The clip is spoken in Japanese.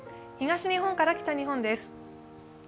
東日本から北日本です。